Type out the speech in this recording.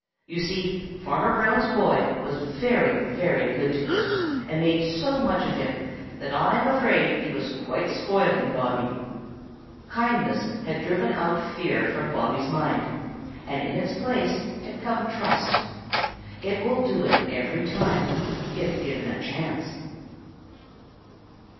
You see, Farmer Brown's boy was very, very good to him and made so much of him that I am afraid he was quite spoiling Bobby. Kindness had driven out fear from Bobby's mind, and in its place had come trust. It will do it every time, if given a chance.